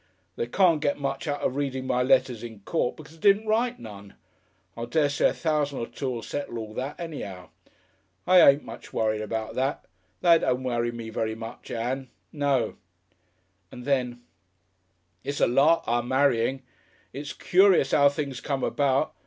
They can't get much out of reading my letters in court, because I didn't write none. I dessay a thousan' or two'll settle all that, anyhow. I ain't much worried about that. That don't worry me very much, Ann No." And then, "It's a lark, our marrying. It's curious 'ow things come about.